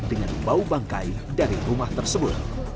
dengan bau bangkai dari rumah tersebut